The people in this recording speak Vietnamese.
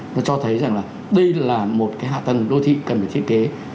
nó cho thấy rằng là đây là một cái hạ tầng đô thị cần phải thiết kế